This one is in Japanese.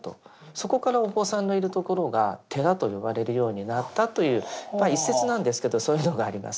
そこからお坊さんのいる所が「寺」と呼ばれるようになったというまあ一説なんですけどそういうのがあります。